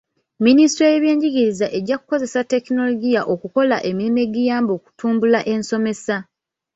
Minisitule y'ebyenjigiriza ejja kukozesa tekinologiya okukola emirimu egiyamba okutumbula ensomesa.